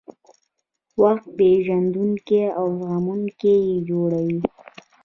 وخت پېژندونکي او زغموونکي یې جوړوي.